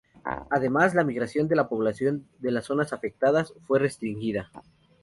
Además, la migración de la población de las zonas afectadas fue restringida.